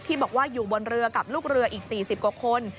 บอกว่าอยู่บนเรือกับลูกเรืออีก๔๐กว่าคน